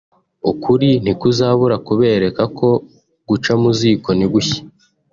ukuri ntikuzabura kubereka ko guca mu ziko ntigushye